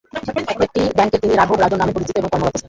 একটি ব্যাংকে তিনি রাঘব রাজন নামে পরিচিত এবং কর্মরত ছিলেন।